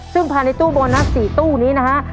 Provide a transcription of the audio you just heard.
ซึ่งภายในตู้โบนัส๔ตู้นี้นะฮะ